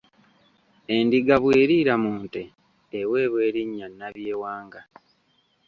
Endiga bw’eriira mu nte, eweebwa elinnya Nnabyewanga.